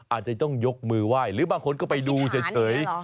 อาจจะต้องยกมือไหว้หรือบางคนก็ไปดูเฉย